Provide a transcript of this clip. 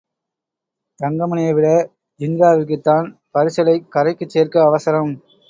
தங்கமணியைவிட ஜின்காவிற்குத்தான் பரிசலைக் கரைக்குச் சேர்க்க அவசரம்.